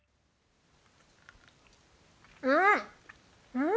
うん！